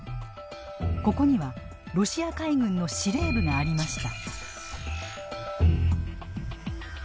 ここにはロシア海軍の司令部がありました。